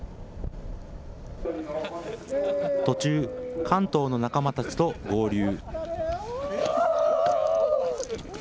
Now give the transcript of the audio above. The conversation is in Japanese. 途中、関東の仲間たちと合流。